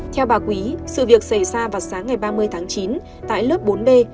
theo bà quý sự việc xảy ra vào sáng ngày ba mươi tháng chín tại lớp bốn d